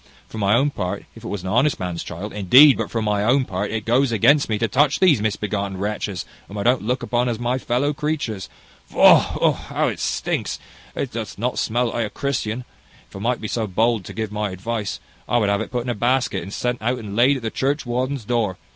For my own part, if it was an honest man's child, indeed but for my own part, it goes against me to touch these misbegotten wretches, whom I don't look upon as my fellow creatures. Faugh! how it stinks! It doth not smell like a Christian. If I might be so bold to give my advice, I would have it put in a basket, and sent out and laid at the churchwarden's door.